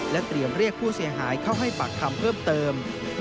เตรียมเรียกผู้เสียหายเข้าให้ปากคำเพิ่มเติม